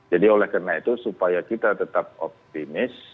jadi oleh karena itu supaya kita tetap optimis